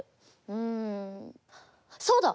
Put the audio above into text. うんそうだ！